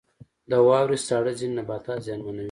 • د واورې ساړه ځینې نباتات زیانمنوي.